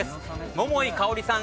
桃井かおりさん